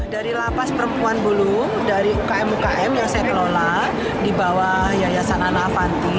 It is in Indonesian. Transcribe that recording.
dari lapas perempuan bulu dari umkm umkm yang saya kelola di bawah yayasan anna avanti